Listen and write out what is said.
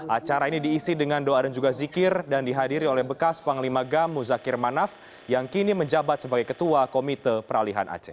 acara ini diisi dengan doa dan juga zikir dan dihadiri oleh bekas panglima gam muzakir manaf yang kini menjabat sebagai ketua komite peralihan aceh